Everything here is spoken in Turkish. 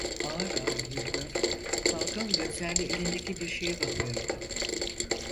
Ağır ağır yürüyor, dalgın gözlerle elindeki bir şeye bakıyordu.